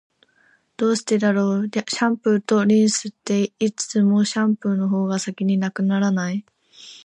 どうしてだろう、シャンプーとリンスって、いつもシャンプーの方が先に無くならない？